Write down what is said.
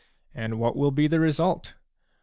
And what will be the result ?